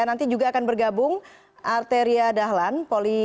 nanti juga akan bergabung arteria dahlan